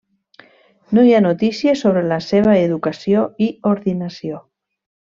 No hi ha notícies sobre la seva educació i ordinació.